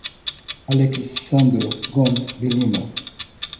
Alexsandro Gomes de Lima